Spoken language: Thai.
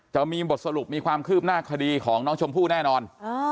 จะมีบทสรุปมีความคืบหน้าคดีของน้องชมพู่แน่นอน